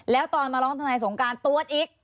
แล้วตอนมาร้องทนายสงการตรวจอีก